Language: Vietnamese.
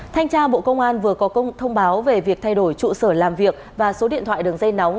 thanh tra bộ công an vừa có công báo về việc thay đổi trụ sở làm việc và số điện thoại đường dây nóng